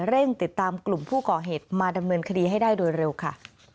เร่งติดตามกลุ่มผู้ก่อเหตุมาดำเนินคดีให้ได้โดยเร็วค่ะ